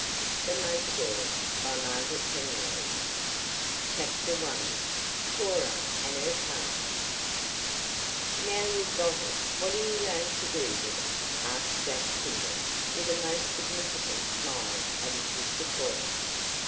THE MOTOR GIRLS by Margaret Penrose CHAPTER I CORA AND HER CAR "Now you've got it, what are you going to do with it?" asked Jack Kimball, with a most significant smile at his sister Cora.